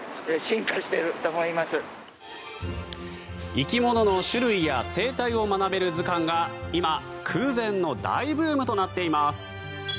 生き物の種類や生態を学べる図鑑が今、空前の大ブームとなっています。